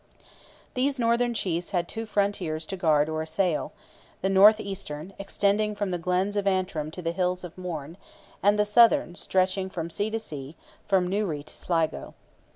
These northern chiefs had two frontiers to guard or to assail: the north eastern, extending from the glens of Antrim to the hills of Mourne, and the southern stretching from sea to sea, from Newry to Sligo.